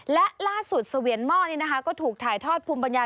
และล่าสุดเสวียนหม้อนี่นะคะก็ถูกถ่ายทอดภูมิปัญญา